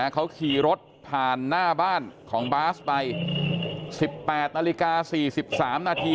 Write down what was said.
เขาขี่รถผ่านหน้าบ้านของบาสไป๑๘นาฬิกา๔๓นาที